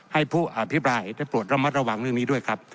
ให้ผู้อภิปรายได้โปรดระมัดระวังเรื่องนี้ด้วยครับ